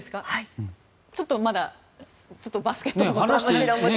ちょっとまだバスケットの話題を。